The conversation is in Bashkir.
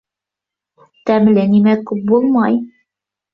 Тәмле нәмә күп булмай.